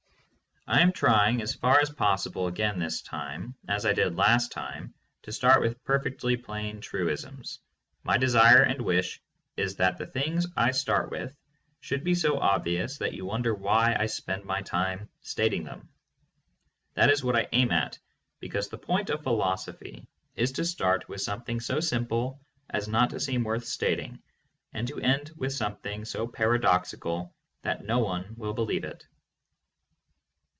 I am trying as far as possible again this time, as I did last time, to start with perfectly plain truisms. My desire and wish is that the things I start with should be so obvious that you wonder why I spend my time stating them. That is what I aim at, because the point of philosophy is to start with something so simple as not to seem worth stating, and to end with something so paradoxical that no one will be lieve it.